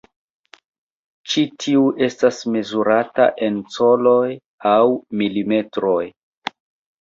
Ĉi tiu estas mezurata en coloj aŭ milimetroj.